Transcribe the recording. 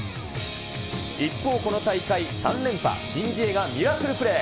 一方、この大会３連覇、申ジエがミラクルプレー。